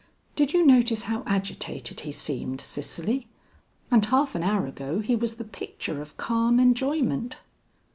"Did you notice how agitated he seemed, Cicely? And half an hour ago he was the picture of calm enjoyment."